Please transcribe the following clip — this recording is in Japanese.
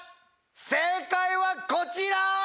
正解はこちら。